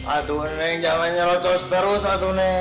aduh nenek jangan nyelocos terus aduh nenek